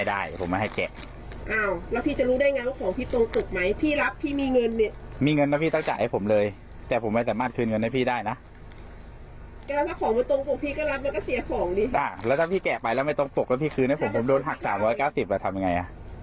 อ้ะแล้วพี่ก็อยากได้ของที่มันโตบเลย